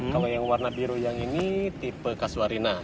kalau yang warna biru yang ini tipe kasuarina